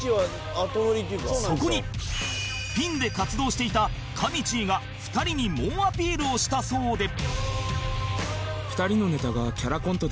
そこにピンで活動していたかみちぃが２人に猛アピールをしたそうで